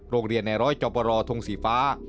โรงเรียนแนร้อยจอบบรอทงสีฟ้า